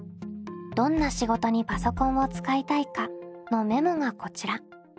「どんな仕事にパソコンを使いたいか？」のメモがこちら。